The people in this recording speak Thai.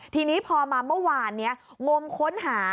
ทีนี้พอมาเมื่อวานนี้งมค้นหา